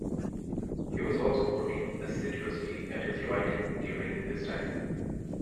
He was also working assiduously at his writing during this time.